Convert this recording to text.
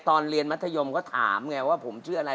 ตอนเรียนมัธยมก็ถามไงว่าผมชื่ออะไร